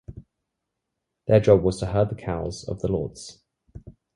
Their job was to herd the cows of the lords.